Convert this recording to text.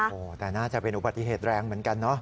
โอ้โหแต่น่าจะเป็นอุบัติเหตุแรงเหมือนกันเนอะ